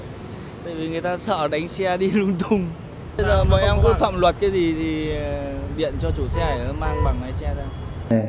tại vì người ta sợ đánh xe đi lung tung bọn em cứ phạm luật cái gì thì điện cho chủ xe để nó mang bằng lái xe ra